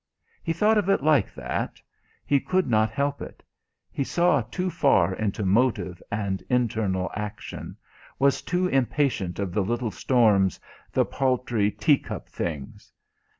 He thought of it like that he could not help it; he saw too far into motive and internal action; was too impatient of the little storms, the paltry, tea cup things.